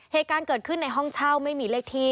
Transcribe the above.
เหตุการณ์เกิดขึ้นในห้องเช่าไม่มีเลขที่